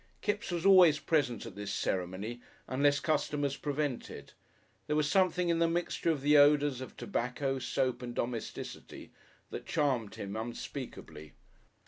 Kipps was always present at this ceremony unless customers prevented; there was something in the mixture of the odours of tobacco, soap and domesticity that charmed him unspeakably.